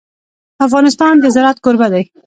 افغانستان د زراعت کوربه دی.